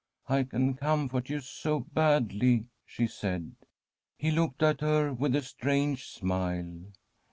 * I can comfort you so badly,' she said. He looked at her with a strange smile.